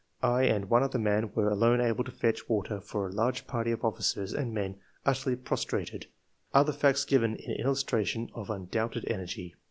I and one other man were alone able to fetch water for a large party of officers and men utterly prostrated [other facts given in illus tration of undoubted energy.